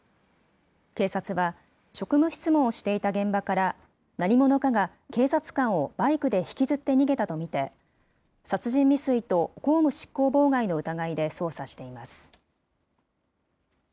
警察は、職務質問をしていた現場から何者かが警察官をバイクで引きずって逃げたと見て、殺人未遂と公務執行妨害の疑いで捜査しています。